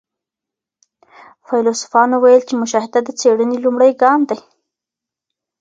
فيلسوفانو ويل چي مشاهده د څېړنې لومړی ګام دی.